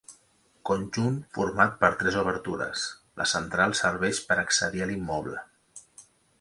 Conjunt format per tres obertures; la central serveix per accedir a l'immoble.